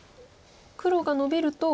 黒がノビると。